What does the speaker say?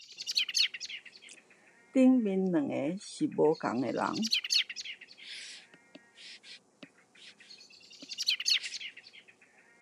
上面兩個是不同的人